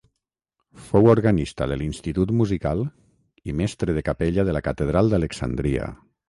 Fou organista de l'Institut Musical i mestre de capella de la catedral d'Alexandria.